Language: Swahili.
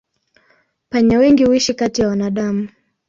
Panya wengi huishi kati ya wanadamu.